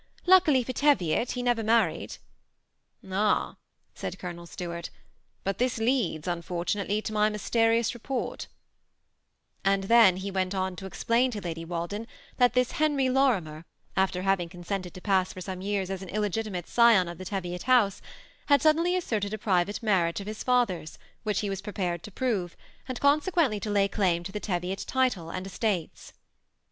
Luckily for Teviot, he was never married.*' '^ Ah !" said Ck>lonel Stuart ;^ but this leads, unfor tunately, to mj mysterious report" And then he went on to explain to Lady Walden, that this Henry Lori mer, after having consented to pass for some years as an illegitimate scion of the Teviot house, had suddenly asserted a private marriage of his father's, which he was prepared to prove, and consequently to lay claim to the Teviot title and estates.